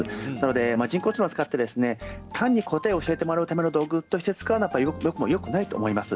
人工知能を使って単に答えを教えてもらおうというのはよくないと思います。